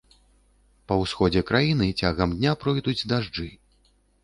Па ўсходзе краіны цягам дня пройдуць дажджы.